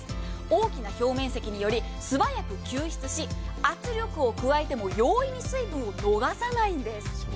大きな表面積により、素早く吸湿し圧力を加えても容易に水分を逃さないんです。